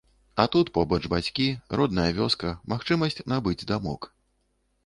А тут побач бацькі, родная вёска, магчымасць набыць дамок.